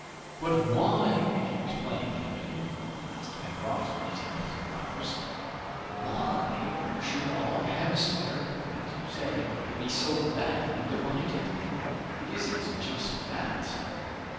"But why, if you please, captain," asked Pencroft, knitting his brows, "why should our hemisphere, as you say, be so badly divided? It isn't just, that!"